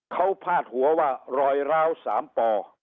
เขาพาดหัวว่ารอยราวสามปอ